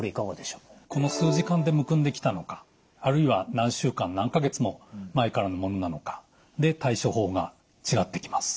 この数時間でむくんできたのかあるいは何週間何か月も前からのものなのかで対処法が違ってきます。